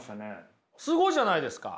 すごいじゃないですか。